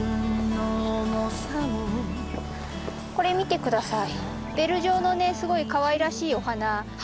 これ見て下さい。